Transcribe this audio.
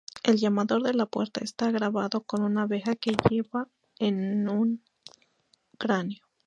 El llamador de la puerta está grabado con una abeja que lleva un cráneo.